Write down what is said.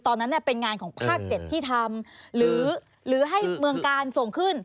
ตอนนั้นเป็นงานของภาค๗ที่ทำหรือให้เมืองกาลส่งขึ้น